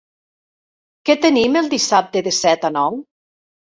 Què tenim el dissabte de set a nou?